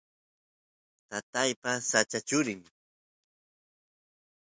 tataypa sacha churi